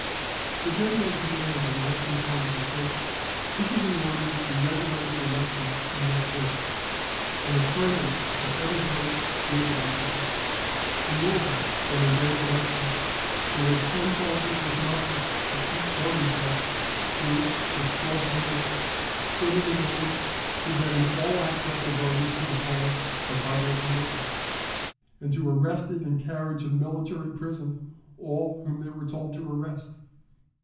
The General in command in the western part of the State issued an order to regulate the election in that quarter, and the colonels at every post did likewise. In Louisville, on the day of election, there were ten soldiers with muskets at each voting place who, with crossed bayonets, stood in the doors, preventing all access of voters to the polls but by their permission, and who arrested and carried to the military prison all whom they were told to arrest.